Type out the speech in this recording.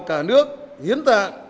cả nước hiến tạng